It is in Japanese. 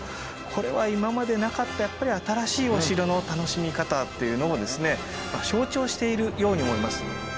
これは今までなかったやっぱり新しいお城の楽しみ方というのをですね象徴しているように思います。